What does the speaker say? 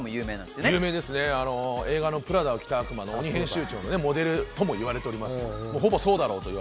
映画の『プラダを着た悪魔』の鬼編集長のモデルともいわれています。